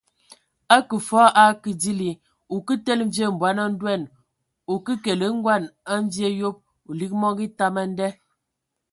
Akə fɔɔ o akə dili,o kə tele mvie mbɔn a ndoan, o ke kele ngoan a mvie a yob, o lig mɔngɔ etam a nda !